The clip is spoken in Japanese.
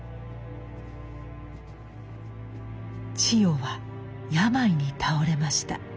千代は病に倒れました。